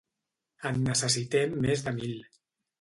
En necessitem més de mil.